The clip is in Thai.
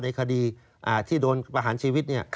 ในคดีที่โดนประหารชีวิต